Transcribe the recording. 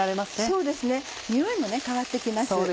そうですね匂いも変わって来ます。